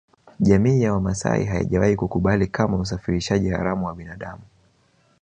Jamii ya Wamasai haijawahi kukubali kamwe usafirishaji haramu wa binadamu